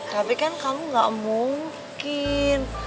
tapi kan kamu gak mungkin